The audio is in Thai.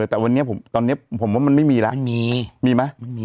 แต่วันนี้ผมตอนเนี้ยผมว่ามันไม่มีแล้วมันมีมีมั้ยมันมี